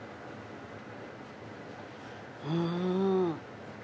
うん。